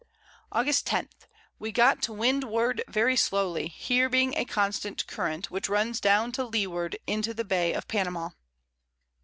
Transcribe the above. August 10. We got to wind ward very slowly, here being a constant Current, which runs down to Leward into the Bay of Panama.